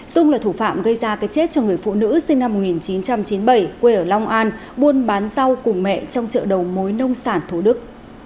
dung là thủ phạm gây ra cái chết cho người phụ nữ sinh năm một nghìn chín trăm chín mươi bảy quê ở long an buôn bán rau cùng mẹ trong chợ đầu mối nông sản thủ đức